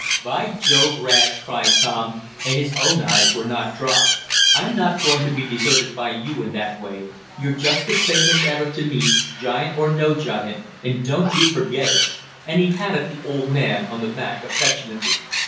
"By Jove, Rad!" cried Tom, and his own eyes were not dry. "I'm not going to be deserted by you in that way. You're just the same as ever to me, giant or no giant, and don't you forget it!" and he patted the old man on the back affectionately.